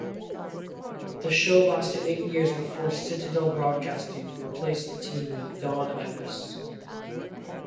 The show lasted eight years before Citadel Broadcasting replaced the team with Don Imus.